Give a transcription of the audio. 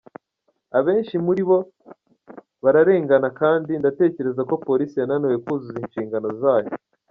Abenshi muri bo bararengana kandi ndatekereza ko polisi yananiwe kuzuza inshingano zayo.